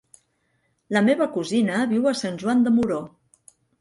La meva cosina viu a Sant Joan de Moró.